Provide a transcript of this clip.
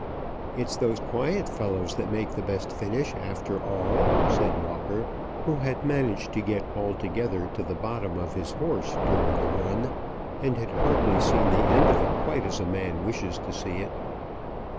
"It's those quiet fellows that make the best finish after all!" said Walker, who had managed to get altogether to the bottom of his horse during the run, and had hardly seen the end of it quite as a man wishes to see it.